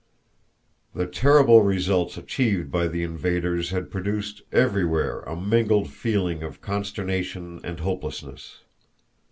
The terrible results achieved by the invaders had produced everywhere a mingled feeling of consternation and hopelessness.